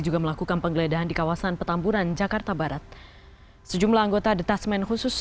juga melakukan penggeledahan di kawasan petamburan jakarta barat sejumlah anggota detasmen khusus